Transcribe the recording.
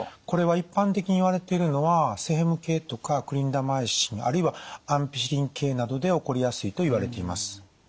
これは一般的にいわれているのはセフェム系とかクリンダマイシンあるいはアンピシリン系などで起こりやすいといわれています。